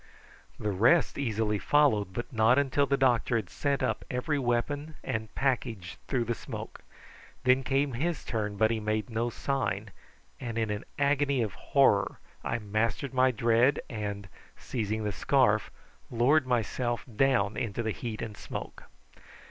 The rest easily followed, but not until the doctor had sent up every weapon and package through the smoke. Then came his turn, but he made no sign, and in an agony of horror I mastered my dread, and, seizing the scarf, lowered myself down into the heat and smoke.